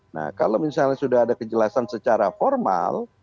nah kalau misalnya sudah ada kejelasan secara formal